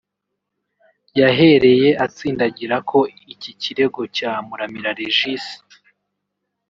yahereye atsindagira ko iki kirego cya Muramira Rѐgis